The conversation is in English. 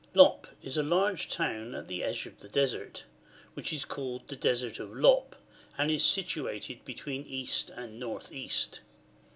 Lop is a large town at the edge of the Desert, which is called the Desert of Lop, and is situated between east and north east.